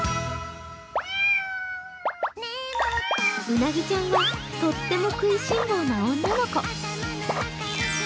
うなぎちゃんは、とっても食いしん坊な女の子。